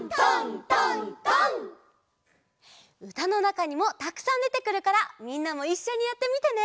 うたのなかにもたくさんでてくるからみんなもいっしょにやってみてね！